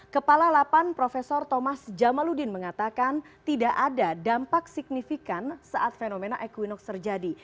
kepala lapan prof thomas jamaludin mengatakan tidak ada dampak signifikan saat fenomena equinox terjadi